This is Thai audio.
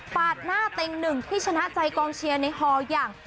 หน้าเต็งหนึ่งที่ชนะใจกองเชียร์ในฮอลอย่าง